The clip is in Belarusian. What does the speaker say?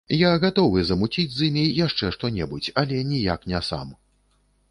Я гатовы замуціць з імі яшчэ што-небудзь, але ніяк не сам.